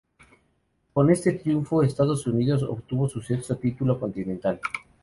Con este triunfo Estados Unidos obtuvo su sexto título continental.